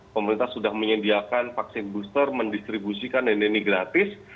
pemerintah sudah menyediakan vaksin booster mendistribusikan energi ini gratis